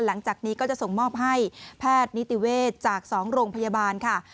หลังจากนี้ก็จะส่งมอบให้แพทย์นิติเวศจาก๒โรงพยาบาลค่ะ